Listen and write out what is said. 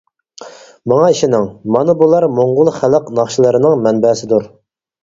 ماڭا ئىشىنىڭ مانا بۇلار موڭغۇل خەلق ناخشىلىرىنىڭ مەنبەسىدۇر.